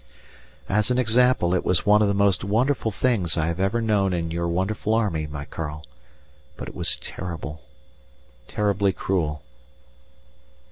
As an example, it was one of the most wonderful things I have ever known in your wonderful army, my Karl, but it was terrible terribly cruel.